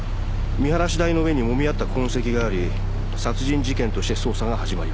見晴らし台の上にもみ合った痕跡があり殺人事件として捜査が始まりました。